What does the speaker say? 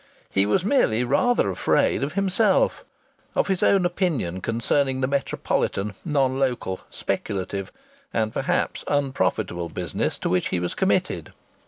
He was merely rather afraid of himself of his own opinion concerning the metropolitan, non local, speculative and perhaps unprofitable business to which he was committed.